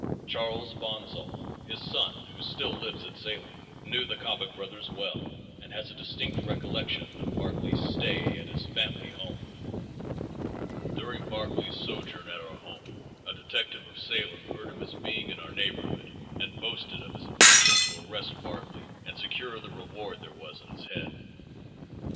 Charles Bonsall, his son, who still lives at Salem, knew the Coppock brothers well and has a distinct recollection of Barclay's stay at his father's home. "During Barclay's sojourn at our home," writes Charles Bonsall in a personal letter, "a detective of Salem heard of his being in our neighborhood and boasted of his intention to arrest Barclay and secure the reward there was on his head.